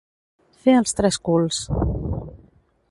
Fer els tres culs.